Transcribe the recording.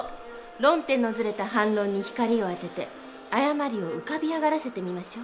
論点のずれた反論に光を当てて誤りを浮かび上がらせてみましょう。